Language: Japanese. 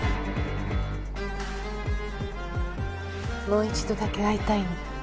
もう一度だけ会いたいの。